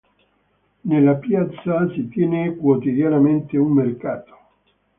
Nella piazza si tiene quotidianamente un mercato.